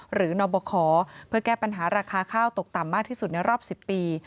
นบคเพื่อแก้ปัญหาราคาข้าวตกต่ำมากที่สุดในรอบ๑๐ปี